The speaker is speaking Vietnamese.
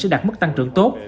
sẽ đạt mức tăng trưởng tốt